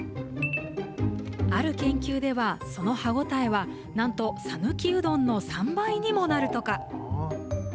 ある研究では、その歯応えは、なんとさぬきうどんの３倍にもなるとか。